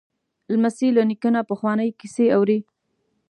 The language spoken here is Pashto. لمسی له نیکه نه پخوانۍ کیسې اوري.